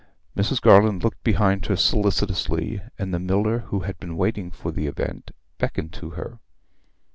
Mrs. Garland looked behind her solicitously; and the miller, who had been waiting for the event, beckoned to her.